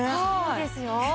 そうですよ。